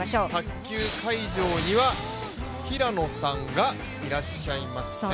卓球会場には平野さんがいらっしゃいますね。